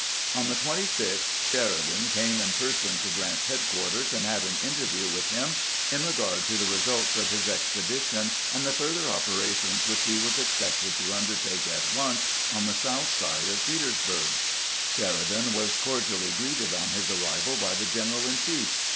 228 CAMPAIGNING WITH GRANT On the 26th Sheridan came in person to Grant's head quarters, and had an interview with him in regard to the results of his expedition and the further operations which he was expected to undertake at once on the south side of Petersburg, Sheridan was cordially greeted on his arrival by the general in chief.